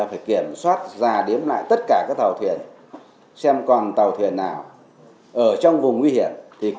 thì cần phải tiếp tục đưa các tàu thuyền này ra khỏi khu vực nguy hiểm